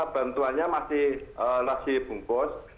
bantuannya masih nasib bungkus